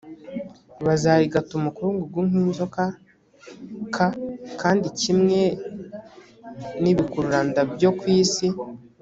bazarigata umukungugu nk inzoka k kandi kimwe n ibikururanda byo ku isi